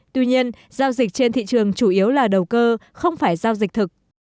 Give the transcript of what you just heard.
tuy nhiên giao dịch trên thị trường chủ yếu là đầu cơ không phải giao dịch thực